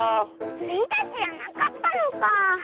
スイたちじゃなかったのか。